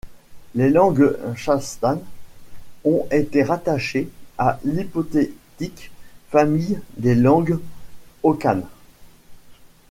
Les langues shastanes ont été rattachées à l'hypothétique famille des langues hokanes.